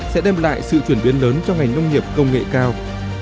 sẽ đem lại sự chuyển biến lớn cho ngành nông nghiệp công nghệ cao